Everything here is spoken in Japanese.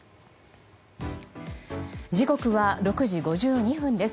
時刻は６時５２分です。